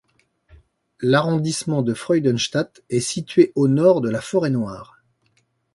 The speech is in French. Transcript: L'arrondissement de Freudenstadt est situé au nord de la Forêt-Noire.